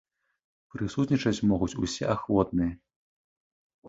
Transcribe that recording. Прысутнічаць могуць усе ахвотныя.